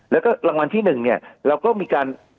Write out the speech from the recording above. แล้วก็รางวัลที่๑เนี่ยเราก็มีการ